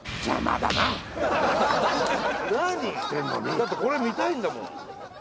だってこれ見たいんだもん。